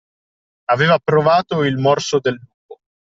Aver provato il morso del lupo.